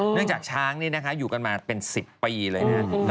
เนื่องจากช้างนี่นะคะอยู่กันมาเป็น๑๐ปีเลยนะครับ